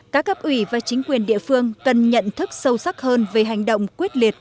các cấp ủy và chính quyền địa phương cần nhận thức sâu sắc hơn về hành động quyết liệt